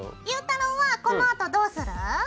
ゆうたろうはこのあとどうする？